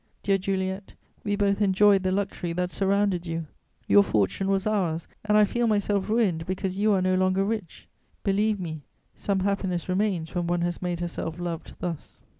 Dear Juliet, we both enjoyed the luxury that surrounded you; your fortune was ours, and I feel myself ruined because you are no longer rich. Believe me, some happiness remains when one has made herself loved thus.